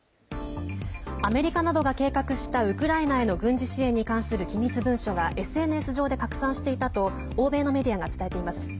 アメリカなどが計画したウクライナへの軍事支援に関する機密文書がＳＮＳ上で拡散していたと欧米のメディアが伝えています。